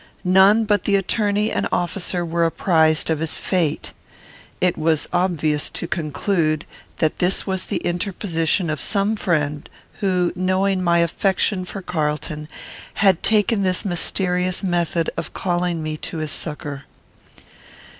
None but the attorney and officer were apprized of his fate. It was obvious to conclude, that this was the interposition of some friend, who, knowing my affection for Carlton, had taken this mysterious method of calling me to his succour.